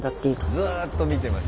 ずっと見てます。